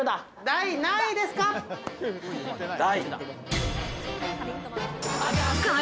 第何位ですか？